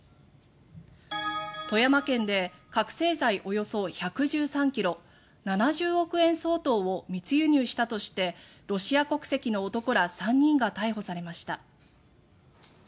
富山県で覚醒剤およそ１１３ｋｇ７０億円相当を密輸入したとしてロシア国籍の男ら３人が逮捕されました。